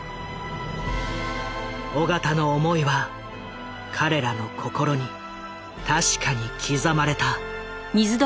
緒方の思いは彼らの心に確かに刻まれた。